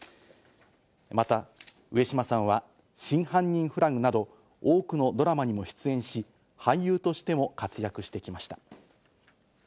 また上島さんは『真犯人フラグ』など多くのドラマにも出演し、俳優としても活躍してきました。